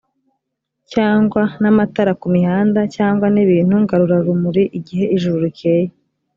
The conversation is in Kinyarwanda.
cyangwa n amatara ku mihanda cyangwa n ibintu ngarurarumuri igihe ijuru rikeye